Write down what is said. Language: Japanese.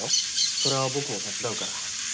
それは僕も手伝うから。